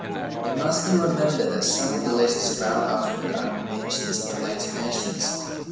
It must be remembered that some of the letters of our alphabet are inventions of the later nations.